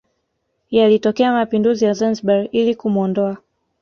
Yalitokea mapinduzi ya Zanzibar ili kumuondoa